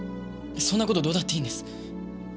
そんな事どうだっていいんです。